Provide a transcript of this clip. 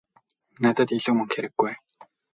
Надад илүү мөнгө хэрэггүй ээ.